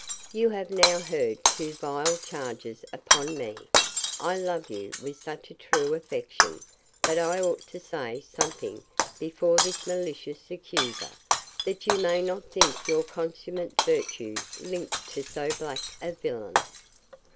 You have now heard two vile charges upon me!—I love you with such a true affection, that I ought to say something before this malicious accuser, that you may not think your consummate virtue linked to so black a villain.